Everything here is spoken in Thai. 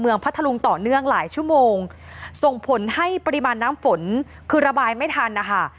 พัทธรุงต่อเนื่องหลายชั่วโมงส่งผลให้ปริมาณน้ำฝนคือระบายไม่ทันนะคะ